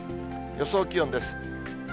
予想気温です。